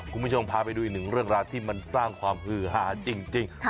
คุณผู้ชมพาไปดูอีกหนึ่งเรื่องราวที่มันสร้างความฮือหาจริง